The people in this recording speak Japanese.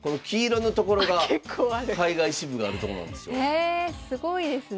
へえすごいですね。